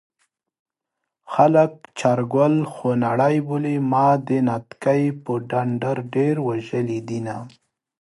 خلک چارګل خونړی بولي ما د نتکۍ په ډنډر ډېر وژلي دينه